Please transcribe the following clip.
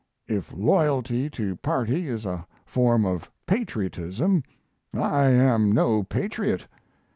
If loyalty to party is a form of patriotism, I am no patriot.